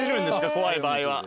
怖い場合は。